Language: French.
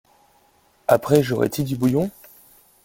Après, j’aurais-t-y du bouillon ?